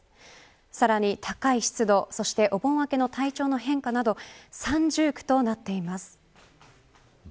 さらに高い湿度そしてお盆明けの体調の変化など三重苦となっています。